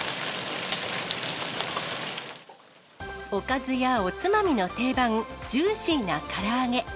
おかずやおつまみの定番、ジューシーなから揚げ。